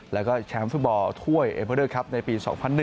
แล้วก็แชมป์ฟุตบอลถ้วยเอเบอร์เดอร์ครับในปี๒๐๐๑